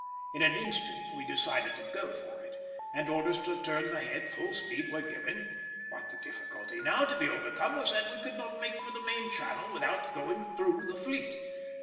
In an instant we decided to go for it, and orders to turn ahead full speed were given; but the difficulty now to be overcome was that we could not make for the main channel without going through the fleet.